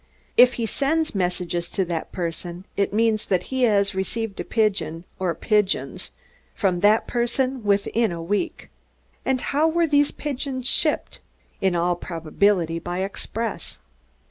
If he sends messages to that person it means that he has received a pigeon or pigeons from that person within a week. And how were these pigeons shipped? In all probability, by express.